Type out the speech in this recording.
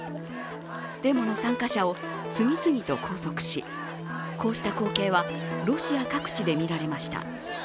デモの参加者を次々と拘束し、こうした光景はロシア各地で見られました。